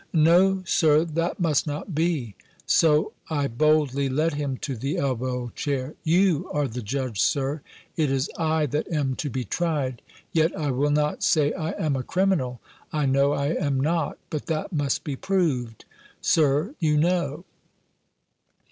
"No, Sir, that must not be." So I boldly led him to the elbow chair. "You are the judge, Sir; it is I that am to be tried. Yet I will not say I am a criminal. I know I am not. But that must be proved, Sir, you know."